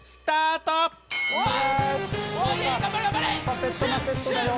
パペットマペットだよ。